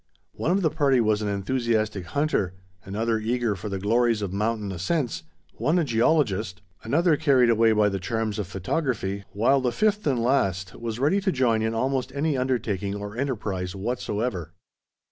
One of the party was an enthusiastic hunter, another eager for the glories of mountain ascents, one a geologist, another carried away by the charms of photography, while the fifth and last was ready to join in almost any undertaking or enterprise whatsoever.